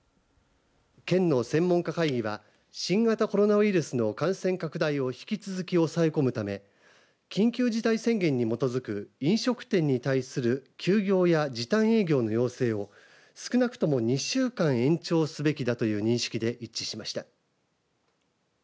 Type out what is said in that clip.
県の専門家会議は新型コロナウイルスの感染拡大を引き続き抑え込むため緊急事態宣言に基づく飲食店に対する休業や時短営業の要請を少なくとも２週間延長すべきだという認識で一致しました。